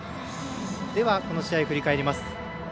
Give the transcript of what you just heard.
この試合、振り返ります。